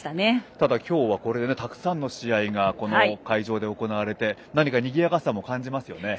ただ、今日はたくさんの試合がこの会場で行われて、何かにぎやかさも感じますよね。